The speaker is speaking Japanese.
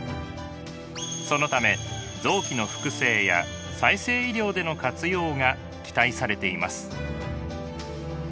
そのため臓器の複製や再生医療での活用が期待されています。